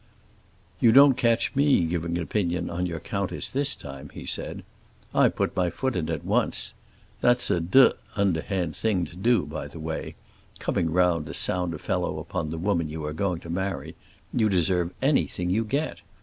"You don't catch me giving an opinion on your countess this time," he said; "I put my foot in it once. That's a d—d underhand thing to do, by the way—coming round to sound a fellow upon the woman you are going to marry. You deserve anything you get.